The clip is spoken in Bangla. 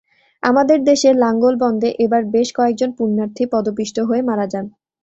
আমাদের দেশে লাঙ্গলবন্দে এবার বেশ কয়েকজন পুণ্যার্থী পদপিষ্ট হয়ে মারা যান।